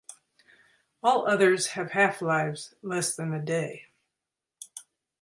All others have half-lives less than a day.